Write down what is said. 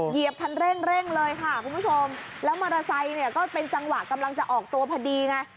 เหยียบคันเร่งเร่งเลยค่ะคุณผู้ชมแล้วมอเตอร์ไซค์เนี่ยก็เป็นจังหวะกำลังจะออกตัวพอดีไง